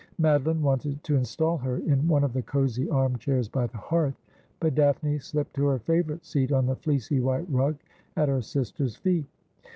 Madeline wanted to instal her in one of the cosy arm chairs by the hearth, but Daphne slipped to her favourite seat on the fleecy white rug at her sister's feet.